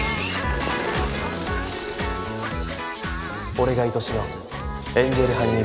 俺が愛しのエンジェルハニー